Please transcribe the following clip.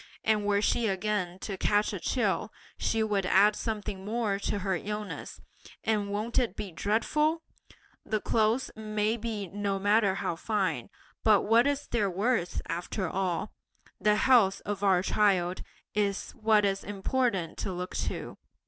And were she again to catch a chill, she would add something more to her illness; and won't it be dreadful! The clothes may be no matter how fine, but what is their worth, after all? The health of our child is what is important to look to!